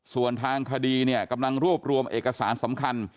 ส่วนทางคดีเนี่ยกำลังรวบรวมเอกสารสำคัญ